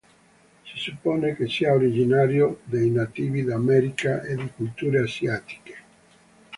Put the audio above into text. Si suppone che sia originario dei nativi d'America o di culture Asiatiche.